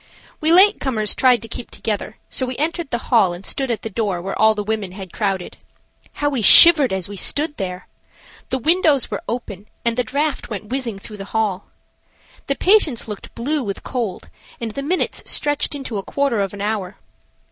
We late comers tried to keep together, so we entered the hall and stood at the door where all the women had crowded. How we shivered as we stood there! The windows were open and the draught went whizzing through the hall. The patients looked blue with cold, and the minutes stretched into a quarter of an hour.